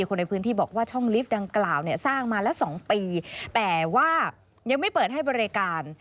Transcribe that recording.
คนในพื้นที่บอกว่าช่องลิฟต์ดังกล่าวเนี่ยสร้างมาละ๒ปีแต่ว่ายังไม่เปิดให้บริการ